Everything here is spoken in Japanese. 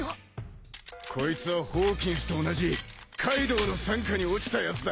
こいつはホーキンスと同じカイドウの傘下に落ちたやつだ。